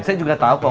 saya juga tau kok